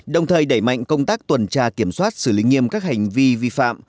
đồng thời đẩy mạnh công tác tuần tra kiểm soát xử lý nghiêm các hành vi vi phạm